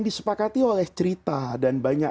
disepakati oleh cerita dan banyak